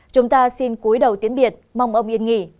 chúng ta xin cuối đầu tiếng biệt mong ông yên nghỉ